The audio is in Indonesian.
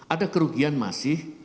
ada kerugian masih